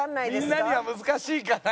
「みんなには難しいかな？」